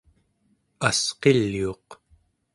asqiliuq